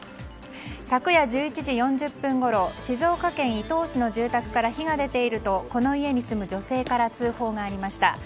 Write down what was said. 昨夜１１時４０分ごろ静岡県伊東市の住宅から火が出ているとこの家に住む女性から通報がありました。